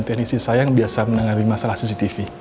tentang nisi saya yang biasa menangani masalah cctv